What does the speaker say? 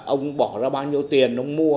ông bỏ ra bao nhiêu tiền ông mua